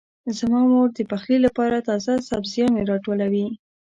زما مور د پخلي لپاره تازه سبزيانې راټولوي.